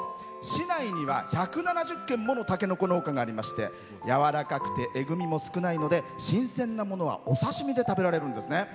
市内には１７０軒ものたけのこ農家がありましてやわらかくてえぐみも少ないので新鮮なものはお刺身で食べられるんですね。